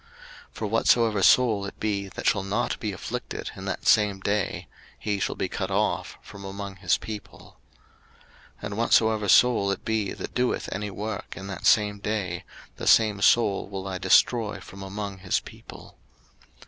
03:023:029 For whatsoever soul it be that shall not be afflicted in that same day, he shall be cut off from among his people. 03:023:030 And whatsoever soul it be that doeth any work in that same day, the same soul will I destroy from among his people.